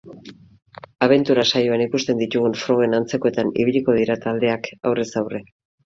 Abentura saioan ikusten ditugun frogen antzekoetan ibiliko dira taldeak aurrez aurre.